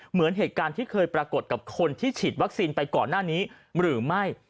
เหมือนเหตุการณ์ที่เคยปรากฏกับคนที่ฉีดวัคซีนไปก่อนหน้านี้หรือไม่